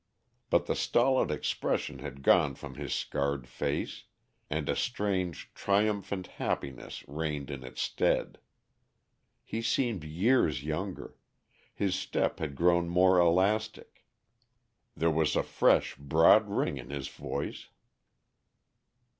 But the stolid expression had gone from his scarred face, and a strange, triumphant happiness reigned in its stead. He seemed years younger, his step had grown more elastic; there was a fresh, broad ring in his voice.